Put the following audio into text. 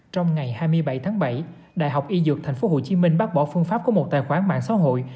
trong ngày hai mươi bảy tháng bảy đại học y dược tp hcm bác bỏ phương pháp của một tài khoản mạng xã hội